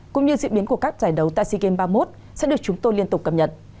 cũng như diễn biến của các giải đấu tại sea games ba mươi một sẽ được chúng tôi liên tục cập nhật